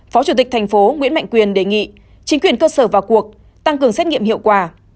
phó chủ tịch thành phố nguyễn mạnh quyền đề nghị chính quyền cơ sở vào cuộc tăng cường xét nghiệm hiệu quả